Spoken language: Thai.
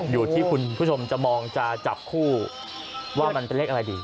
อยู่ที่คุณผู้ชมจะมองจะจับคู่ว่ามันเป็นเลขอะไรดี